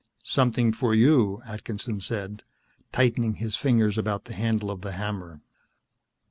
"Something for you," Atkinson said, tightening his fingers about the handle of the hammer.